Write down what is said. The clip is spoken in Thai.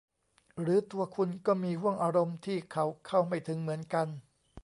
หรือตัวคุณก็มีห้วงอารมณ์ที่เขาเข้าไม่ถึงเหมือนกัน